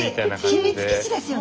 秘密基地ですよね！